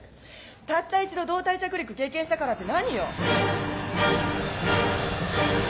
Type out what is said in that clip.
たった一度胴体着陸経験したからって何よ！？